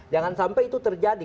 jangan sampai itu terjadi